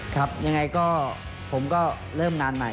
ครับยังไงก็ผมก็เริ่มงานใหม่